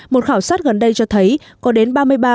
một khảo sát gần đây cho thấy có đến ba mươi ba